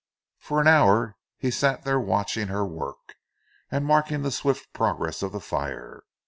For an hour he sat there watching her work, and marking the swift progress of the fire.